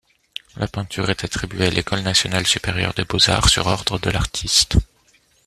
La peinture est attribuée à l'École nationale supérieure des beaux-arts sur ordre de l'artiste.